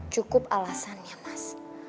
cukup alasannya mas